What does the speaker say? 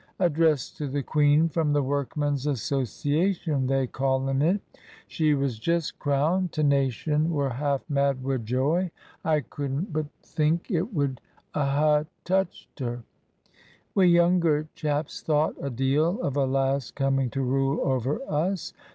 'Address to the Queen from the Workman's Association,* they callen it. She was just crowned. T' nation were half mad wi' joy. I couldn't TRANSITION. 4S but think it would ha' touched her. We younger chaps thought a deal of a lass coming to rule over us.